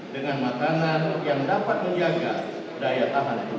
dengan makanan yang dapat menjaga daya tahan tubuh